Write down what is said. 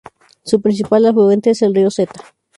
Su principal afluente es el río Seta.